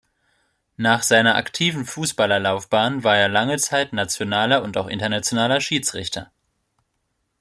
Nach seiner aktiven Fußballerlaufbahn war er lange Zeit nationaler und auch internationaler Schiedsrichter.